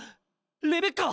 レベッカは。